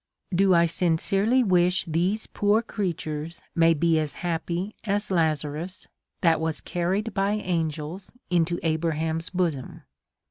Do I sincerely wish these poor creatures may be as happy as Lazarus, that was carried by angels into Abraham's bosom